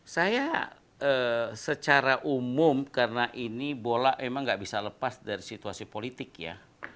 saya secara umum karena ini bola emang gak bisa lepas dari situasi politik ya